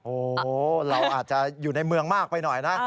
โอ้โหเราอาจจะอยู่ในเมืองมากไปหน่อยนะ